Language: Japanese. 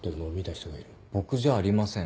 僕じゃありません。